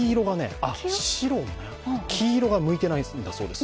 黄色が向いてないんだそうです。